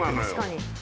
確かに。